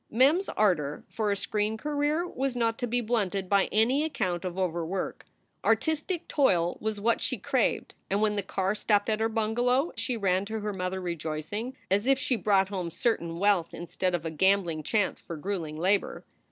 Mem s ardor for a screen career was not to be blunted by any account of overwork. Artistic toil was what she craved, and when the car stopped at her bungalow she ran to her mother rejoicing, as if she brought home certain wealth instead of a gambling chance for grueling labor.